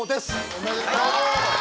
おめでとう！